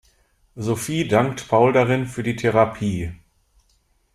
Sophie dankt Paul darin für die Therapie.